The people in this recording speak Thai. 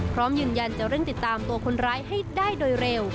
พร้อมยืนยันจะเร่งติดตามตัวคนร้ายให้ได้โดยเร็ว